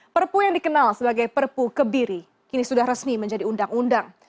perpu yang dikenal sebagai perpu kebiri kini sudah resmi menjadi undang undang